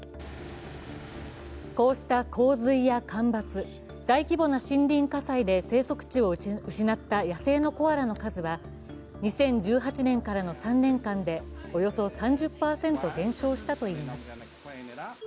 こうした洪水や干ばつ、大規模な森林火災で生息地を失った野生のコアラの数は２０１８年からの３年間でおよそ３０％現象したといいます。